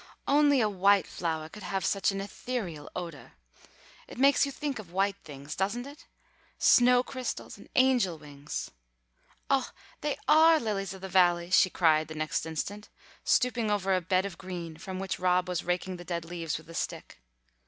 "Only a white flowah could have such an ethereal odah. It makes you think of white things, doesn't it? Snow crystals and angel wings! Oh, they are lilies of the valley!" she cried the next instant, stooping over a bed of green from which Rob was raking the dead leaves with a stick.